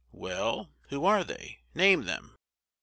"Well who are they? name them."